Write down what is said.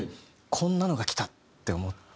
こんなのがきた！って思って。